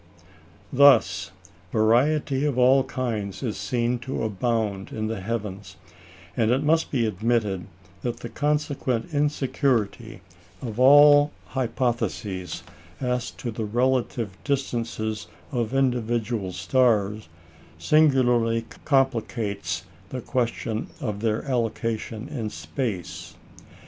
Thus, variety of all kinds is seen to abound in the heavens; and it must be admitted that the consequent insecurity of all hypotheses as to the relative distances of individual stars singularly complicates the question of their allocation in space.